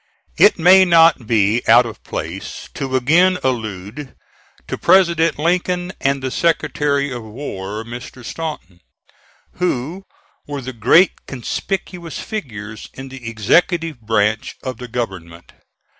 It may not be out of place to again allude to President Lincoln and the Secretary of War, Mr. Stanton, who were the great conspicuous figures in the executive branch of the government.